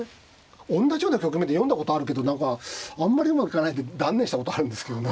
おんなじような局面で読んだことあるけど何かあんまりうまくいかないんで断念したことがあるんですけどね。